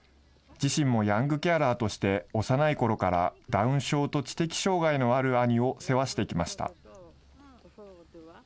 自身もヤングケアラーとして、幼いころからダウン症と知的障害のある兄を世話してきました。